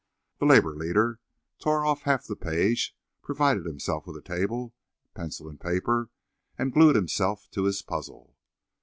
The labour leader tore off half of the page, provided himself with table, pencil and paper and glued himself to his puzzle.